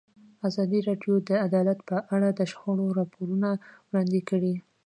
ازادي راډیو د عدالت په اړه د شخړو راپورونه وړاندې کړي.